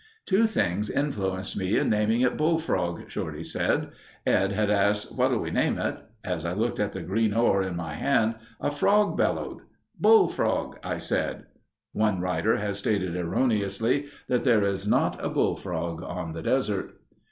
"Two things influenced me in naming it Bullfrog," Shorty said. "Ed had asked, 'what'll we name it?' As I looked at the green ore in my hand, a frog bellowed. 'Bullfrog,' I said." (One writer has stated erroneously that there is not a bullfrog on the desert.)